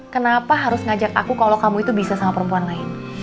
kenapa harus ngajak aku kalau kamu itu bisa sama perempuan lain